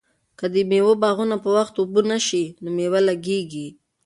که د مېوو باغونه په وخت اوبه نشي نو مېوه لږیږي.